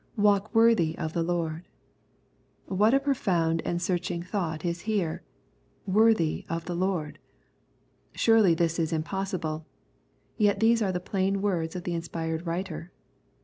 ''Walk worthy of the Lord:' What a profound and searching thought is here —" Worthy of the Lord." Surely this is im possible ; yet these are the plain words of the inspired writer.